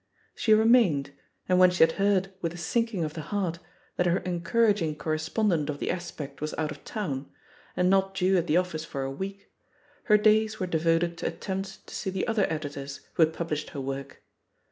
She remained, and when she had heard, with a sinking of the heart, that her encouraging cor respondent of The Aspect was out of town, and not due at the office for a week, her days were 107 198 THE POSITION OF PEGGY HARPER devoted to attempts to see the other editors who had published her work.